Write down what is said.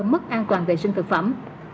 mất an toàn vệ sinh thực phẩm